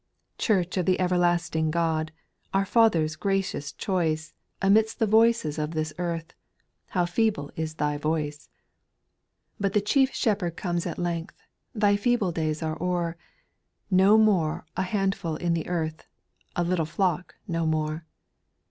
4. Church of the everlasting God, Our Father's gracioua choice SPIRITUAL SONGS. 899 Amidst the voices of this earth, How feeble is Thy voice I 5. But the chief Shepherd comes at length Thy feeble days are o'er ; No more a handful in the earth, A little flock no more.